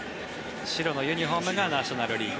白のユニホームがナショナル・リーグ